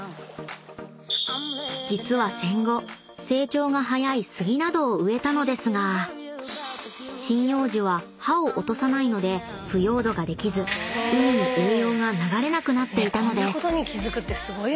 ［実は戦後成長が早いスギなどを植えたのですが針葉樹は葉を落とさないので腐葉土ができず海に栄養が流れなくなっていたのです］